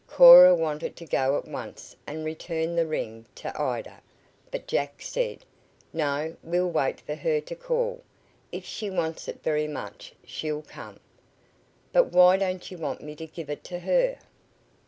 Cora wanted to go at once and return the ring to Ida, but Jack said: "No, we'll wait for her to call. If she wants it very much she'll come." "But why don't you want me to give it to her?"